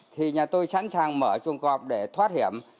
thì nhà tôi sẵn sàng mở chuồng cọp để thoát hiểm